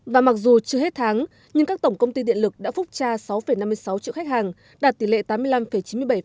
và mặc dù chưa hết tháng nhưng các tổng công ty điện lực đã phúc tra sáu năm mươi sáu triệu khách hàng đạt tỷ lệ tám mươi năm chín mươi bảy